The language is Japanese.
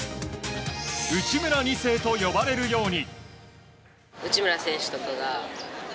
内村２世と呼ばれるように。